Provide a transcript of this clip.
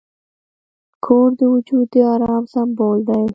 کور د وجود د آرام سمبول دی.